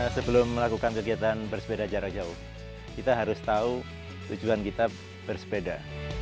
sebelum melakukan kegiatan bersepeda jarak jauh kita harus tahu tujuan kita bersepeda